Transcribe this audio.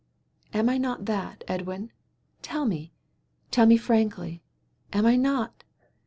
"Am I not that, Edwin? Tell me! Tell me frankly; am I not?